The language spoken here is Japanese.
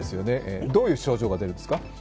どういう症状が出るんですか。